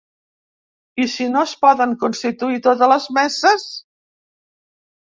I si no es poden constituir totes les meses?